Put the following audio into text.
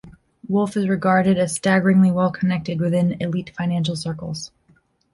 Wolf is regarded as "staggeringly well connected" within elite financial circles.